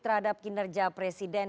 terhadap kinerja presiden